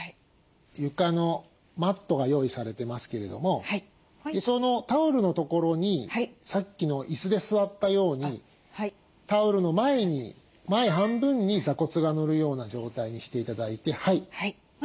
床のマットが用意されていますけれどもそのタオルのところにさっきの椅子で座ったようにタオルの前に前半分に座骨がのるような状態にして頂いて。